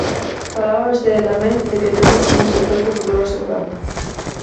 Falaba vostede tamén de que temos un sector co futuro asegurado.